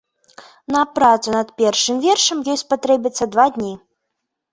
На працу над першым вершам ёй спатрэбяцца два дні.